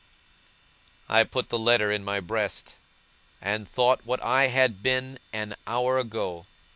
I put the letter in my breast, and thought what had I been an hour ago!